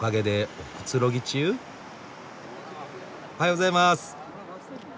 おはようございます。